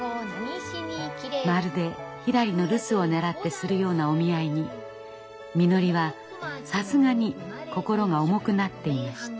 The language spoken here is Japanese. まるでひらりの留守を狙ってするようなお見合いにみのりはさすがに心が重くなっていました。